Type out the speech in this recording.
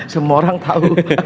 semua orang tahu